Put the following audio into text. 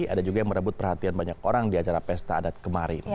ada juga yang merebut perhatian banyak orang di acara pesta adat kemarin